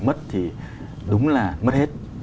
mất thì đúng là mất hết